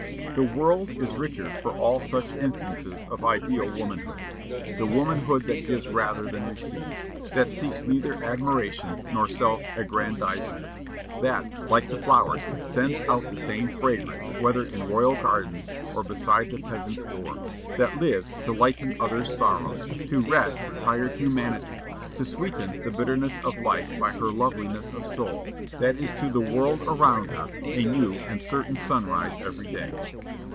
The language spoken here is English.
The world is richer for all such instances of ideal womanhood; the womanhood that gives rather than receives; that seeks neither admiration nor self aggrandizement; that, like the flowers, sends out the same fragrance whether in royal gardens or beside the peasant's door; that lives to lighten others' sorrows, to rest tired humanity, to sweeten the bitterness of life by her loveliness of soul; that is to the world around her "A new and certain sunrise every day."